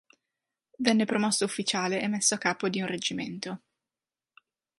Venne promosso ufficiale e messo a capo di un reggimento.